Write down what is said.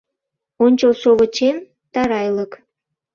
Ончылшовычем - тарайлык.